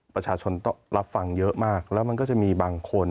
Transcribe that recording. ประชาชนต้องรับฟังเยอะมากแล้วมันก็จะมีบางคน